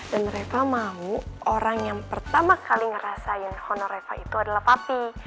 dan reva mau orang yang pertama kali ngerasain honor reva itu adalah papi